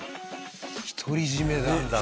独り占めなんだ。